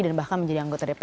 dan bahkan menjadi anggota dpr